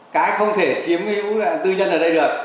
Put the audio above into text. cái không thể chiếm cái ủng hộ tư nhân ở đây được